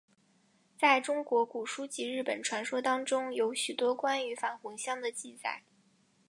在中国古书及日本传说当中有许多关于返魂香的记载。